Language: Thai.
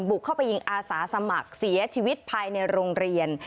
บุกเข้าไปยิงอาสาสมัครเสียชีวิตภายในโรงเรียน